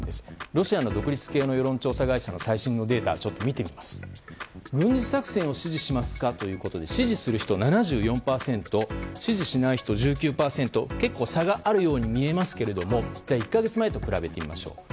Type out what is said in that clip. ロシアの独立系の世論調査会社の最新のデータを見てみますと軍事作戦を支持しますか？ということで支持する人、７４％支持しない人、１９％結構差があるように見えますけど１か月前と比べてみましょう。